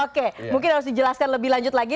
oke mungkin harus dijelaskan lebih lanjut lagi